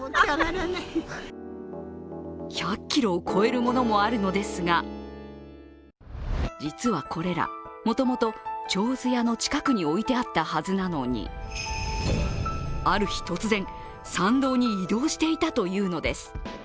１００ｋｇを超えるものもあるのですが実はこれら、もともと手水舎の近くに置いてあったはずなのにある日突然、参道に移動していたというのです。